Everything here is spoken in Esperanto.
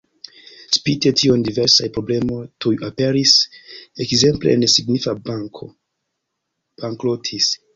Spite tion diversaj problemoj tuj aperis, ekzemple en signifa banko bankrotis.